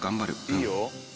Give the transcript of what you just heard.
いいよ。